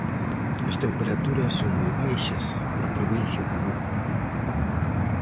As temperaturas son moi baixas na provincia de Lugo.